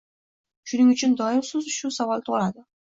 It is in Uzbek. shuning uchun doim shu savol tug‘iladi